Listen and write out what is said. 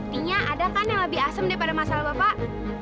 artinya ada kan yang lebih asem daripada masalah bapak